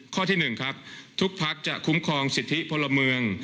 ข้อที่๑ครับทุกพักจะคุ้มครองสิทธิพลเมือง